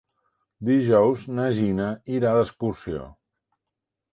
Dijous na Gina irà d'excursió.